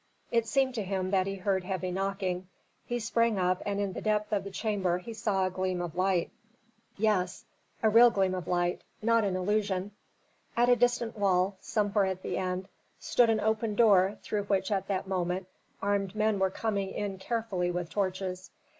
It seemed to him that he heard heavy knocking. He sprang up and in the depth of the chamber he saw a gleam of light. Yes! a real gleam of light, not an illusion. At a distant wall, somewhere at the end, stood an open door through which at that moment armed men were coming in carefully with torches.